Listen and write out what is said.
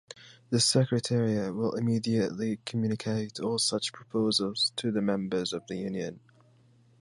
The Secretariat will immediately communicate all such proposals to the Members of the Union.